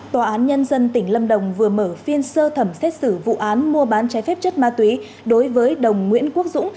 tòa án nhân dân tỉnh lâm đồng vừa mở phiên sơ thẩm xét xử vụ án mua bán trái phép chất ma túy đối với đồng nguyễn quốc dũng